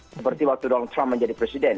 seperti waktu donald trump menjadi presiden